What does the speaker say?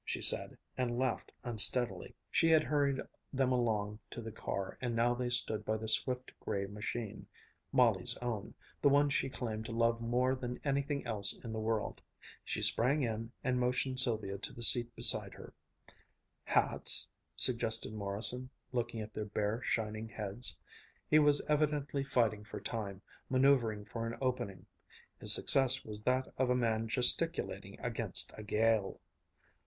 she said, and laughed unsteadily. She had hurried them along to the car, and now they stood by the swift gray machine, Molly's own, the one she claimed to love more than anything else in the world. She sprang in and motioned Sylvia to the seat beside her. "Hats?" suggested Morrison, looking at their bare, shining heads. He was evidently fighting for time, manoeuvering for an opening. His success was that of a man gesticulating against a gale.